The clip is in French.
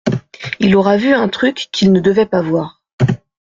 il aura vu un truc qu’il ne devait pas voir